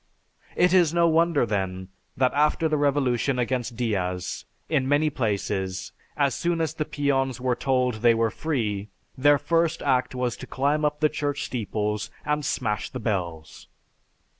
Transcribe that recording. It is no wonder then, that after the revolution against Diaz, in many places, as soon as the peons were told they were free, their first act was to climb up the church steeples and smash the bells.